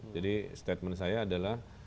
jadi statement saya adalah